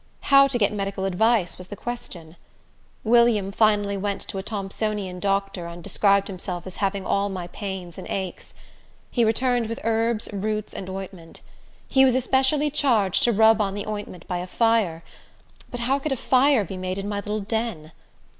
How to get medical advice was the question. William finally went to a Thompsonian doctor, and described himself as having all my pains and aches. He returned with herbs, roots, and ointment. He was especially charged to rub on the ointment by a fire; but how could a fire be made in my little den?